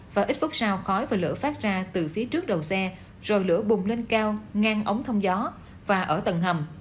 và ít phút sau khói và lửa phát ra từ phía trước đầu xe rồi lửa bùng lên cao ngang ống thông gió và ở tầng hầm